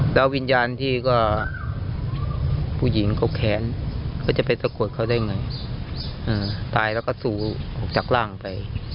แล้ววิญญาณที่ผู้หญิงแขนก็จะไปสะกดเขาได้ไง